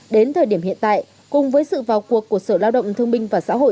đến thời điểm hiện tại cùng với sự vào cuộc của sở lao động thương minh và xã hội